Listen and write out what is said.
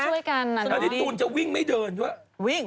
ถ้าพี่ตุ๋นจะวิ่งไม่เดินเนอะ